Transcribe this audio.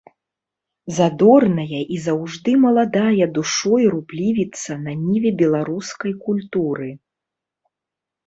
Задорная і заўжды маладая душой руплівіца на ніве беларускай культуры.